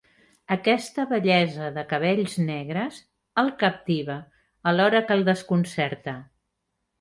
Aquesta bellesa de cabells negres el captiva alhora que el desconcerta.